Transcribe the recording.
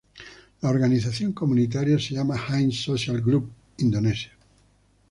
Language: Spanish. La organización comunitaria se llama Jain Social Group, Indonesia.